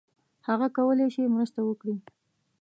هغه کولای شي مرسته وکړي.